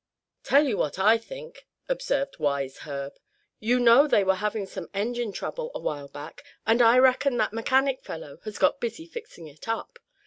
"Tell you what I think," observed wise Herb. "You know they were having some engine trouble a while back; and I reckon that mechanic fellow has got busy fixing it up.